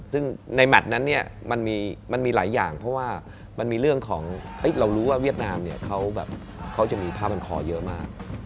ซึ่งในแมทนั้นเนี่ยมันมีหลายอย่างเพราะว่ามันมีเรื่องของเรารู้ว่าเวียดนามเนี่ยเขาแบบเขาจะมีผ้าพันคอเยอะมาก